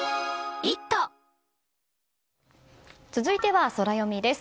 続いては、ソラよみです。